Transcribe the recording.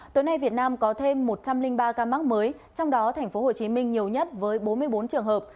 tối nay việt nam có thêm một trăm linh ba ca mắc mới trong đó tp hcm nhiều nhất với bốn mươi bốn trường hợp